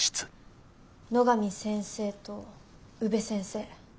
野上先生と宇部先生。